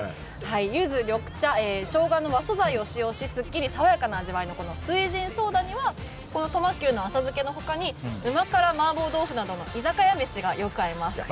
ユズ、緑茶、ショウガの和素材を使用しすっきり爽やかな味わいの翠ジンソーダにはトマキュウの浅漬けの他に旨辛麻婆豆腐などの居酒屋メシがよく合います。